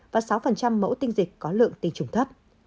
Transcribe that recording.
và sáu mẫu tiêm dịch có lượng tiêm chủng thấp